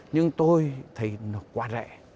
nhưng tôi thấy nó quá rẻ